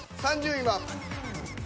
３０位は。